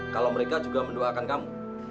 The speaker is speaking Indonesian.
kalau mereka juga mendoakan kamu